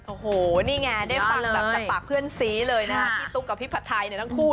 โอ้โหนี่ไงได้ฟังแบบจากปากเพื่อนซีเลยนะฮะพี่ตุ๊กกับพี่ผัดไทยเนี่ยทั้งคู่